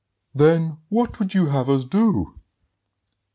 "Then what would you have us do?"